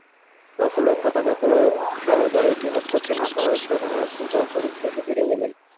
রাসূলের পতাকা তলে দাঁড়িয়ে জিহাদ করতে না পারার বেদনায় অশ্রু ছলছল চোখে ফিরে গেলেন।